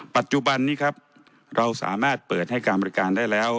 ปัจจุบันนี้ครับเราสามารถเปิดให้การบริการได้แล้ว